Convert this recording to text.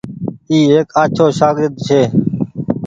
اي ايڪ آڇو ساگرد ڇي۔